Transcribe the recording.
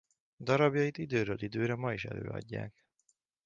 Darabjait időről időre ma is előadják.